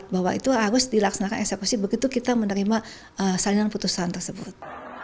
bahwa itu harus dilaksanakan eksekusi begitu kita menerima salinan putusan tersebut